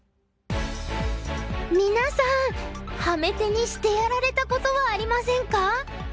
皆さんハメ手にしてやられたことはありませんか？